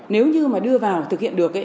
nếu như mà đưa vào thực hiện được